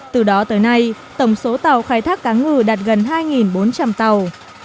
từ đó tới nay tổng số tàu khai thác cá ngừ đạt gần hai bốn trăm linh tàu